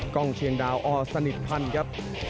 กล้องเชียงดาวอสนิทพันธ์ครับ